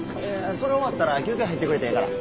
それ終わったら休憩入ってくれてええから。